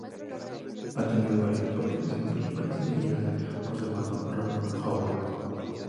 Ha tenido varios papeles en películas dirigidas por su hermano, Ron Howard.